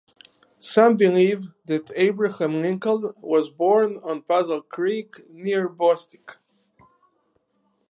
Some believe that Abraham Lincoln was born on Puzzle Creek near Bostic.